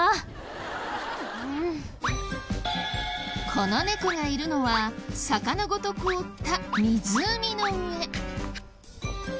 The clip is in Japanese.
この猫がいるのは魚ごと凍った湖の上。